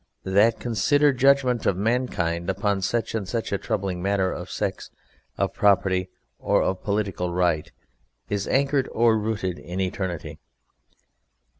That considered judgment of mankind upon such and such a troubling matter, of sex, of property, or of political right, is anchored or rooted in eternity.